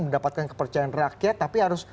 mendapatkan kepercayaan rakyat tapi harus